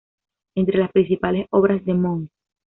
Entre las principales obras de mons.